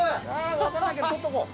分からないけど撮っとこう！